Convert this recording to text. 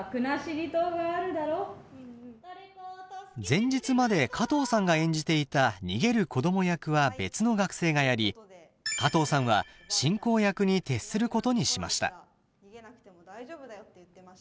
前日まで加藤さんが演じていた逃げる子ども役は別の学生がやり加藤さんは進行役に徹することにしました。